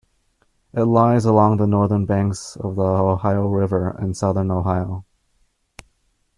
It lies along the northern banks of the Ohio River in southern Ohio.